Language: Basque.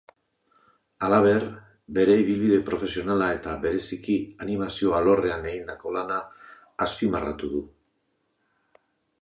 Halaber, bere ibilbide profesionala eta bereziki animazio alorrean egindako lana azpimarratu du.